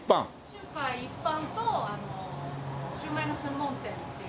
中華一般とシューマイの専門店っていう。